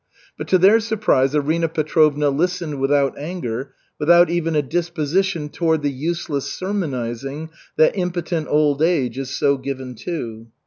But to their surprise Arina Petrovna listened without anger, without even a disposition toward the useless sermonizing that impotent old age is so given to.